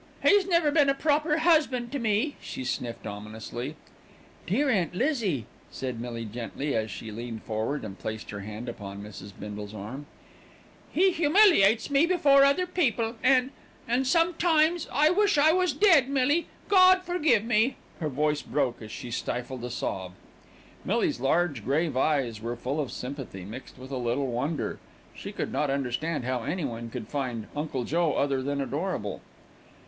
"He's never been a proper husband to me," she sniffed ominously. "Dear Aunt Lizzie," said Millie gently, as she leaned forward and placed her hand upon Mrs. Bindle's arm. "He humiliates me before other people and and sometimes I wish I was dead, Millie, God forgive me." Her voice broke as she stifled a sob. Millie's large, grave eyes were full of sympathy, mixed with a little wonder. She could not understand how anyone could find "Uncle Joe" other than adorable.